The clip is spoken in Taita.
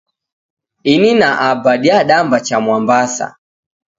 Ini na aba diadamba cha Mwambasa